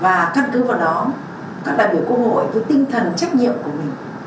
và căn cứ vào đó các đại biểu quốc hội với tinh thần trách nhiệm của mình